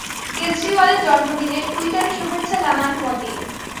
কেজরিওয়ালের জন্মদিনে টুইটারে শুভেচ্ছা জানান মোদি।